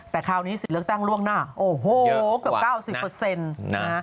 แต่คราวนี้สิทธิ์เลือกตั้งล่วงหน้าเกือบ๙๐